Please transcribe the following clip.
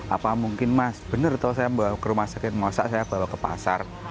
apa mungkin mas bener tau saya bawa ke rumah sakit masak saya bawa ke pasar